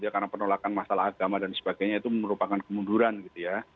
karena penolakan masalah agama dan sebagainya itu merupakan kemunduran gitu ya